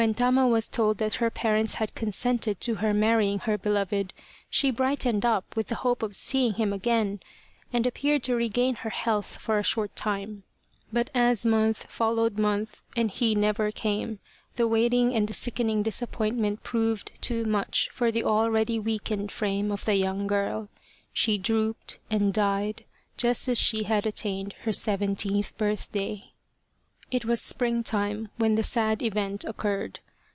When Tama was told that her parents had consented to her marrying her beloved, she brightened up with the hope of seeing him again, and appeared to regain her health for a short time. But as month followed month and he never came, the waiting and the sickening disappoint ment proved too much for the already weakened frame of the young girl. She drooped and died just as she had attained her seventeenth birthday. It was springtime when the sad event occurred.